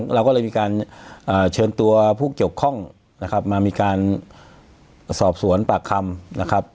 เราก็เลยมีการเชิญตัวผู้เกี่ยวข้องนะครับมามีการสอบสวนปากคำนะครับ